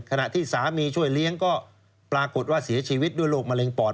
ขณะที่สามีช่วยเลี้ยงก็ปรากฏว่าเสียชีวิตด้วยโรคมะเร็งปอด